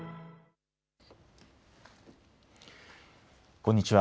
こんにちは。